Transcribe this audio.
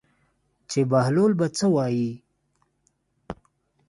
چې بهلول به څه وایي.